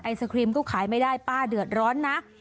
สครีมก็ขายไม่ได้ป้าเดือดร้อนนะ